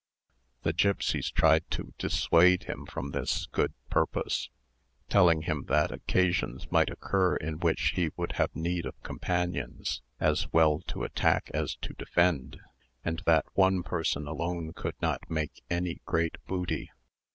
The gipsies tried to dissuade him from this good purpose, telling him that occasions might occur in which he would have need of companions, as well to attack as to defend; and that one person alone could not make any great booty.